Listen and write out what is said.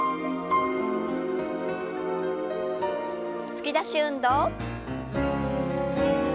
突き出し運動。